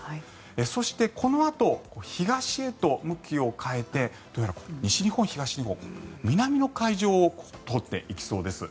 そして、このあと東へと向きを変えてどうやら西日本、東日本南の海上を通っていきそうです。